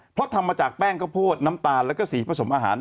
เพราะทำมาจากแป้งข้าวโพดน้ำตาลแล้วก็สีผสมอาหาร